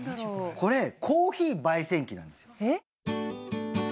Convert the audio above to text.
これコーヒー焙煎器なんですよ。え？